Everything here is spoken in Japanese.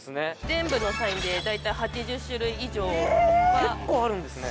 全部のサインで大体８０種類以上は結構あるんですね